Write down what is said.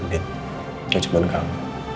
bukan cuma kamu